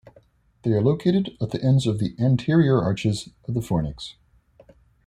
They are located at the ends of the anterior arches of the fornix.